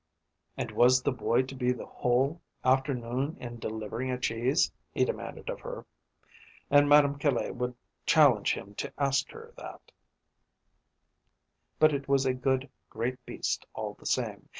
And was the boy to be the whole afternoon in delivering a cheese, he demanded of her? And Madame Caille would challenge him to ask her that but it was a good, great beast all the same!